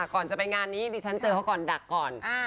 ก่อนจะไปงานนี้ดิฉันเจอเขาก่อนดักก่อน